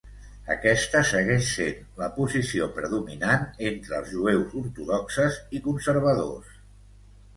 Aquesta segueix sent la posició predominant entre els jueus ortodoxes i conservadors.